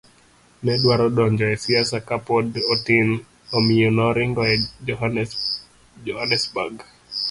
ne dwaro donjo e siasa ka pod otin, omiyo noringo oa Johannesburg.